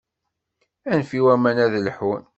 Anef i waman ad lḥun.